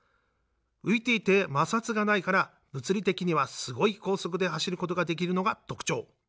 浮いていて摩擦がないから物理的にはすごい高速で走ることができるのが特徴。